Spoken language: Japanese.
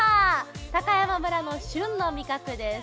高山村の旬の味覚です。